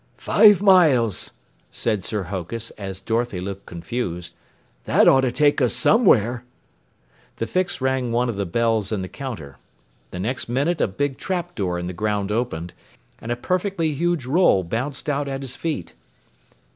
"Five miles," said Sir Hokus as Dorothy looked confused. "That ought to take us somewhere!" The Fix rang one of the bells in the counter. The next minute, a big trap door in the ground opened, and a perfectly huge roll bounced out at his feet.